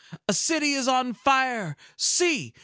A city is on fire. See!